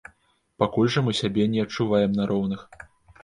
Пакуль жа мы сябе не адчуваем на роўных.